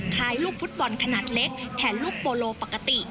ลูกฟุตบอลขนาดเล็กแทนลูกโปโลปกติ